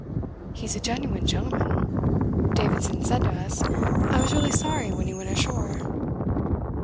"He's a genuine gentleman," Davidson said to us. "I was really sorry when he went ashore."